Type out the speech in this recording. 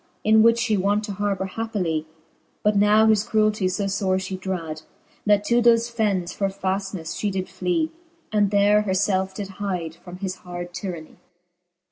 In which (he wont to harbour happily : But now his cruelty fo fore fhe drad, That to thofe fennes for faftnefle Ihe did fly, And there her ielfe did hyde from his hard tyranny.